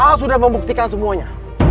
al sudah membuktikan semuanya